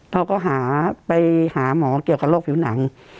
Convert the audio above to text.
เขาก็หาไปหาหมอเกี่ยวกับโรคผิวหนัง